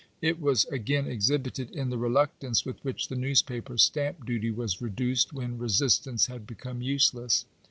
It was again exhibited in the reluctance with which the newspaper stamp duty was reduced, when resistance had become useless.